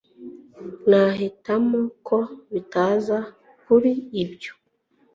nahitamo ko bitaza kuri ibyo